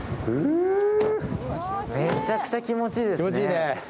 めちゃくちゃ気持ちいいですね。